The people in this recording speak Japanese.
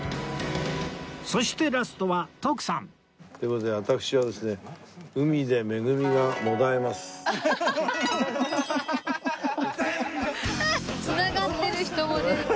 そしてラストは徳さんという事で私はですねつながってる一文字ずつ。